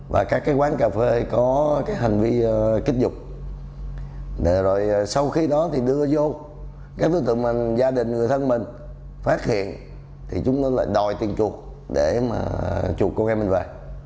và các quán cà phê có cái hành vi kích dục rồi sau khi đó thì đưa vô các đối tượng mà gia đình người thân mình phát hiện thì chúng nó lại đòi tiền chuột để mà chụp con em mình về